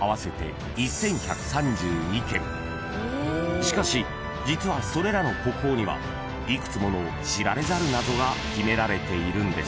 ［しかし実はそれらの国宝には幾つもの知られざる謎が秘められているんです］